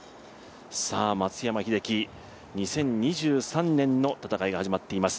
さあ松山英樹、２０２３年の戦いが始まっています。